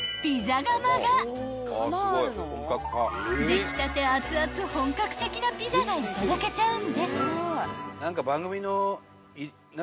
［出来たて熱々本格的なピザがいただけちゃうんです］